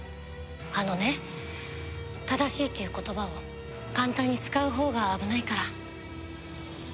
あのね正しいっていう言葉を簡単に使うほうが危ないから。